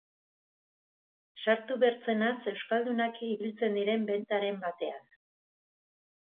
Sartu bertzenaz euskaldunak ibiltzen diren bentaren batean...